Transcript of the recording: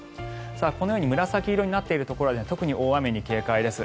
このように紫色になっているところでは特に大雨に警戒です。